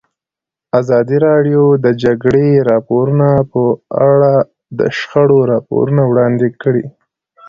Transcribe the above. ازادي راډیو د د جګړې راپورونه په اړه د شخړو راپورونه وړاندې کړي.